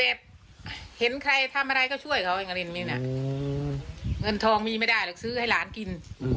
แบบเห็นใครทำอะไรก็ช่วยเขาอังกฤษนี้นะเงินทองมีไม่ได้เลยซื้อให้หลานกิน